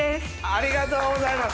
ありがとうございます！